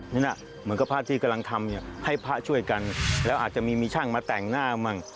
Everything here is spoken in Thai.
นี่นะเหมือนกับพระที่กำลังทำให้พระช่วยกันแล้วอาจจะมีมีช่างมาแต่งหน้ามั่ง